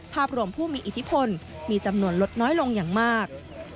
ภาพรวมผู้มีอิทธิพลมีจำนวนลดน้อยลงอย่างมาก